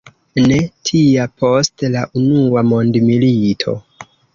Ne tia post la unua mondmilito.